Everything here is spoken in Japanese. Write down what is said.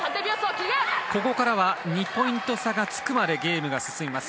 ここからは２ポイント差がつくまでゲームが進みます。